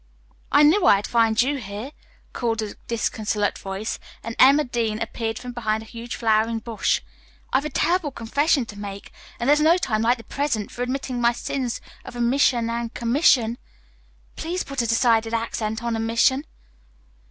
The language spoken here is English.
"I knew I'd find you here," called a disconsolate voice, and Emma Dean appeared from behind a huge flowering bush. "I've a terrible confession to make, and there's no time like the present for admitting my sins of omission and commission. Please put a decided accent on omission."